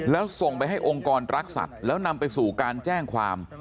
แล้วส่งไปให้องค์กรรักษัตริย์แล้วนำไปสู่การแจ้งความ